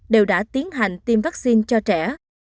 đều đã tiến hành tiêm vaccine cho trẻ